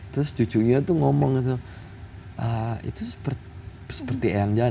terus cucunya tuh ngomong gitu itu seperti yang jalan